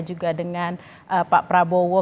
juga dengan pak prabowo